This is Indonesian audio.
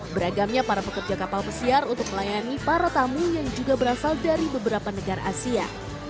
beragamnya para pekerja kapal pesiar untuk melayani para tamu yang juga berasal dari beberapa negara asia